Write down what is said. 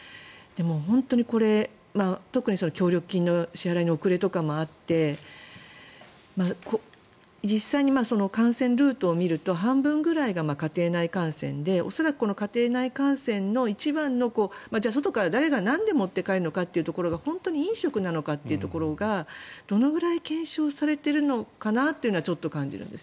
本当にこれ、特に協力金の支払いの遅れとかもあって実際に感染ルートを見ると半分ぐらいが家庭内感染で恐らくこの家庭内感染の一番の外から誰がなんで持って帰るのかというところが本当に飲食なのかというのがどのぐらい検証されているのかなというのはちょっと感じるんです。